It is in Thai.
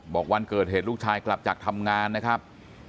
วันเกิดเหตุลูกชายกลับจากทำงานนะครับ